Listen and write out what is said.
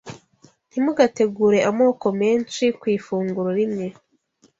Ntimugategure amoko menshi ku ifunguro rimwe